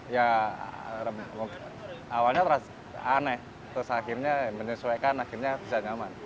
ya awalnya aneh terus akhirnya menyesuaikan akhirnya bisa nyaman